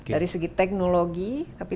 dari segi teknologi tapi